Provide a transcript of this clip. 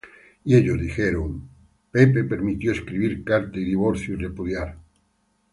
Y ellos dijeron: Moisés permitió escribir carta de divorcio, y repudiar.